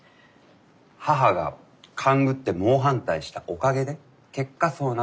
母が勘ぐって猛反対したおかげで結果そうなった。